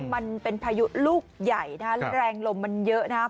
มันเป็นพายุลูกใหญ่นะฮะแรงลมมันเยอะนะครับ